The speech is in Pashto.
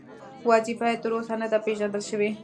وظیفه یې تر اوسه نه ده پېژندل شوې.